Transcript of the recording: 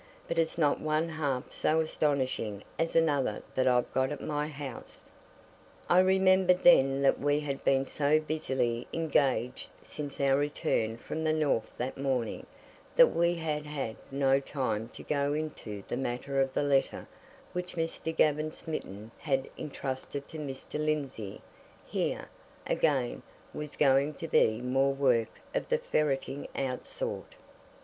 But it's not one half so astonishing as another that I've got at my house." I remembered then that we had been so busily engaged since our return from the North that morning that we had had no time to go into the matter of the letter which Mr. Gavin Smeaton had entrusted to Mr. Lindsey here, again, was going to be more work of the ferreting out sort.